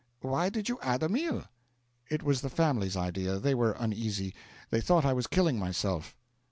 'Why did you add a meal?' 'It was the family's idea. They were uneasy. They thought I was killing myself.'